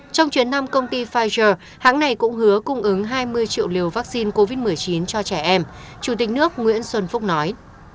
trong chuyến năm công ty pfizer hãng này cũng hứa cung ứng hai mươi triệu liều vaccine covid một mươi chín cho trẻ em chủ tịch nước nguyễn xuân phúc nói